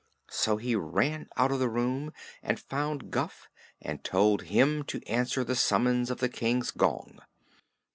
So he ran out of the room and found Guph and told him to answer the summons of the King's gong.